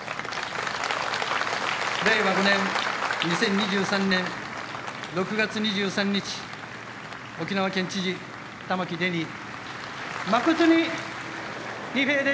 令和５年２０２３年６月２３日沖縄県知事、玉城デニー。